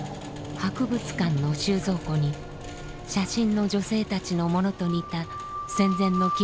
博物館の収蔵庫に写真の女性たちのものと似た戦前の着物が保管されていました。